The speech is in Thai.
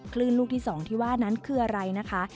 ลูกที่๒ที่ว่านั้นคืออะไรนะคะ